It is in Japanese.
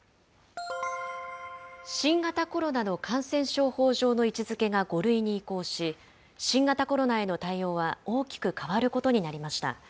新型コロナの感染症法上の位置づけが５類に移行し、新型コロナへの対応は大きく変わることになりました。